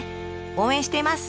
応援しています！